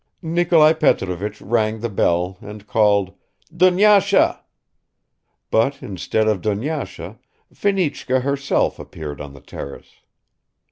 Nikolai Petrovich rang the bell and called, "Dunyasha!" But instead of Dunyasha, Fenichka herself appeared on the terrace.